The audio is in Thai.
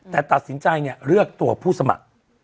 แต่ตัดสินใจเลือกตัวผู้สมัคร